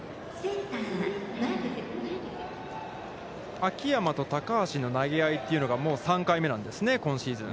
秋山と高橋の投げ合いというのがもう３回目なんですね、今シーズン。